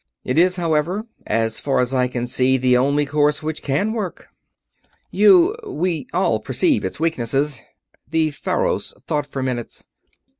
It is, however, as far as I can see, the only course which can work." "You we all perceive its weaknesses." The Faros thought for minutes.